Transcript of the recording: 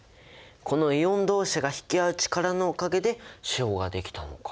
このイオンどうしが引きあう力のおかげで塩ができたのか。